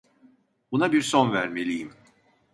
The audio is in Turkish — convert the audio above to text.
Buna bir son vermeliyim.